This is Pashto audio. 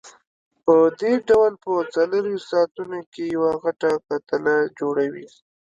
پدې ډول په څلورویشت ساعتونو کې یوه غټه کتله جوړوي.